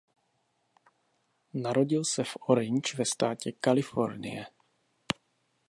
Narodil se v Orange ve státě Kalifornie.